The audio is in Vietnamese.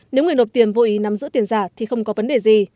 nếu người nộp tiền vô ý nắm giữ tiền giả thì không có vấn đề gì